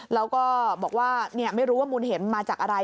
แล้วก็บอกว่าไม่รู้ว่ามูลเหตุมาจากอะไร